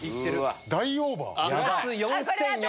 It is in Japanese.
大オーバー！